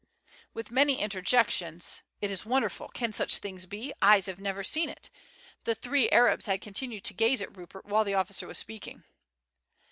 '" With many interjections: "It is wonderful! Can such things be! Eyes have never seen it!" the three Arabs had continued to gaze at Rupert while the officer was speaking.